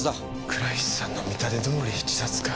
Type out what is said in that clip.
倉石さんの見立てどおり自殺か。